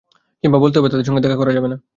কিংবা বলতে হবে তাঁর সঙ্গে দেখা করা যাবে না।